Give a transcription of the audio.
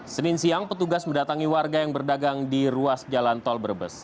senin siang petugas mendatangi warga yang berdagang di ruas jalan tol brebes